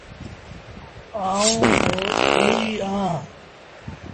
آڻو تا آئوٚنٚ اوٚ ئيٚ اهآنٚ۔